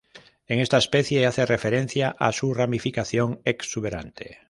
En esta especie hace referencia a su ramificación exuberante.